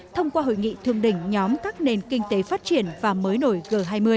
thông qua hội nghị thương đỉnh nhóm các nền kinh tế phát triển và mới nổi g hai mươi